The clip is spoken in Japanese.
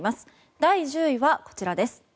第１０位は、こちらです。